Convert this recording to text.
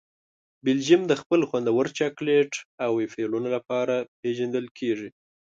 بلجیم د خپل خوندور چاکلېټ او وفلونو لپاره پېژندل کیږي.